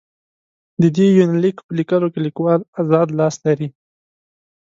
د دې يونليک په ليکلوکې ليکوال اذاد لاس لري.